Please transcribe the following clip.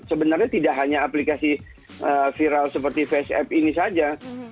sebenarnya tidak hanya aplikasi viral seperti faceapp ini saja